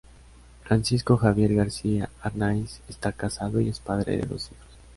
Francisco Javier García Arnáiz está casado y es padre de dos hijos.